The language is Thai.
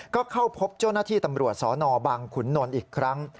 ก็เข้าพบเจ้าหน้าที่ตำรวจสนบังขุนนลอีกครั้ง